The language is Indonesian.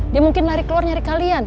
dia mungkin lari keluar nyari kalian